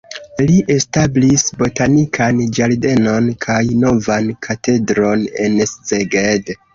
Li establis botanikan ĝardenon kaj novan katedron en Szeged.